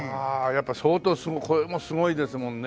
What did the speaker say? やっぱり相当これもすごいですもんね。